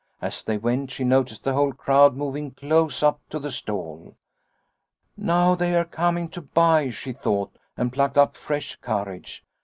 As they went she noticed the whole crowd moving close up to the stall. ' Now they are coming to buy/ she thought, and plucked up fresh courage.